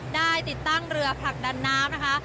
ได้ติดตั้งเรือผลักดันน้ำนะคะ